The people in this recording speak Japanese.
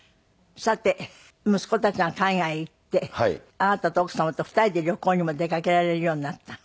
さて息子たちが海外へ行ってあなたと奥様と２人で旅行にも出かけられるようになった。